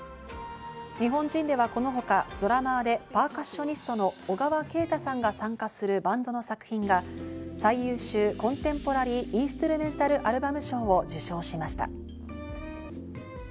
日本人ではこのほか、ドラマーでパーカッショニストの小川慶太さんが参加するバンドの作品が最優秀コンテンポラリー・インストゥルメンタル・アルバム賞を受賞しました。